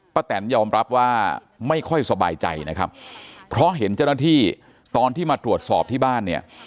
แตนยอมรับว่าไม่ค่อยสบายใจนะครับเพราะเห็นเจ้าหน้าที่ตอนที่มาตรวจสอบที่บ้านเนี่ย